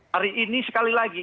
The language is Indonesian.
hari ini sekali lagi